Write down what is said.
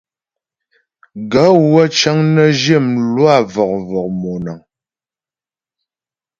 Gaə̂ wə́ cəŋ nə zhyə mlwâ vɔ̀k-vɔ̀k monaə́ŋ.